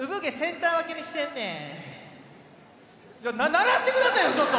鳴らしてくださいよちょっと！